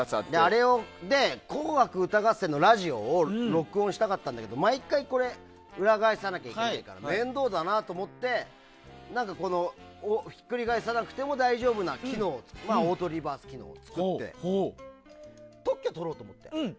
「紅白歌合戦」のラジオを録音したかったんだけど毎回、裏返さなきゃいけないから面倒だなと思ってひっくり返さなくても大丈夫な機能オートリバース機能を作って特許を取ろうと思って。